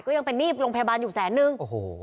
ก็ยังไปหนี้ลงพยาบาลอยู่แสนนึงอโห